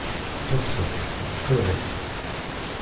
Tasa tettqiṛṛi.